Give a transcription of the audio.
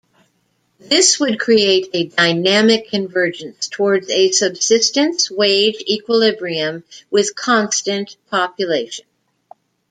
This would create a dynamic convergence towards a subsistence-wage equilibrium with constant population.